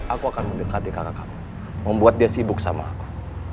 aku akan mendekati kakakmu membuat dia sibuk sama aku